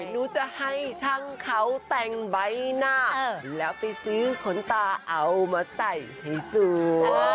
หนูจะให้ช่างเขาแต่งใบหน้าแล้วไปซื้อขนตาเอามาใส่ให้สวย